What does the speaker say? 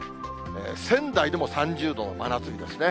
仙台でも３０度の真夏日ですね。